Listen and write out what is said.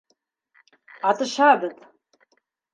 Атышабыҙ!